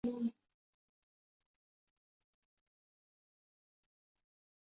她的父亲是广东茂名政协委员梁平。